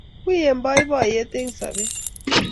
Wiy eng boiboiyet eng sobet